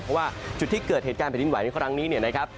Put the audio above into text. เพราะว่าจุดที่เกิดเหตุการณ์แผ่นดินไหวในครั้งนี้เนี่ยนะครับ